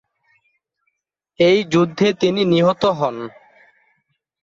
এই যুদ্ধে তিনি নিহত হন।